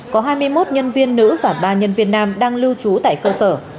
có hai mươi một nhân viên nữ và ba nhân viên nam đang lưu trú tại cơ sở